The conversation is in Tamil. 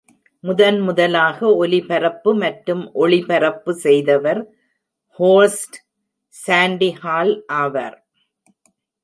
முதன்முதலாக ஒலிபரப்பு மற்றும் ஒளிபரப்பு செய்தவர் ஹோஸ்ட் சாண்டி ஹால் ஆவார்.